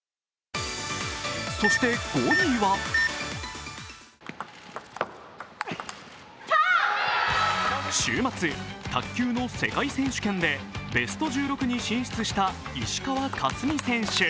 そして５位は週末、卓球の世界選手権でベスト１６に進出した石川佳純選手。